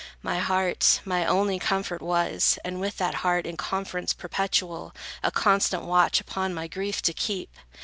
My heart my only comfort was, and with That heart, in conference perpetual, A constant watch upon my grief to keep.